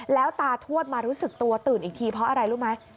แล้วตาทวดมารู้สึกตัวตื่นอีกทีเพราะอะไรรู้ไหม